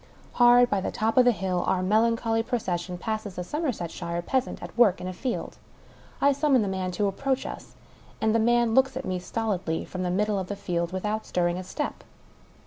Hard by the top of the hill, our melancholy procession passes a Somersetshire peasant at work in a field. I summon the man to approach us ; and the man looks at me stolidly, from the middle of the field, without stirring a step.